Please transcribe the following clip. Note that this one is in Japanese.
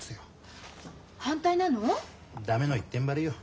駄目の一点張りよ。